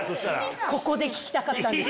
ここで聞きたかったんです。